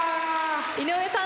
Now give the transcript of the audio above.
井上さん